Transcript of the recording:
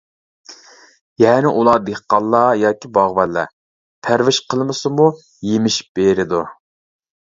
يەنى ئۇلار دېھقانلار ياكى باغۋەنلەر پەرۋىش قىلمىسىمۇ يېمىش بېرىدۇ.